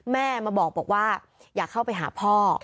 แม่มาบอกว่าอย่าเข้าไปหาพ่อ